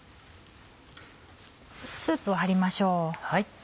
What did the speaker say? スープを張りましょう。